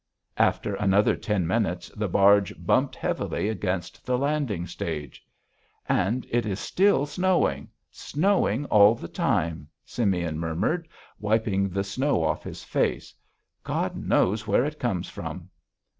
After another ten minutes the barge bumped heavily against the landing stage. "And it is still snowing, snowing all the time," Simeon murmured, wiping the snow off his face. "God knows where it comes from!"